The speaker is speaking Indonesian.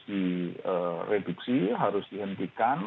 direduksi harus dihentikan